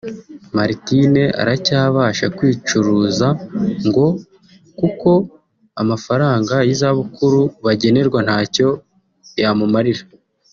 Martine aracyabasha kwicuruzango kuko amafaranga y’izabukuru bagenerwa ntacyo yamumarira